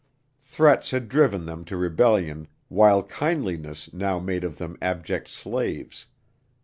Threats had driven them to rebellion while kindliness now made of them abject slaves.